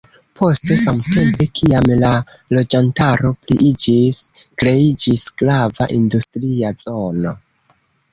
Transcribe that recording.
Poste, samtempe kiam la loĝantaro pliiĝis, kreiĝis grava industria zono.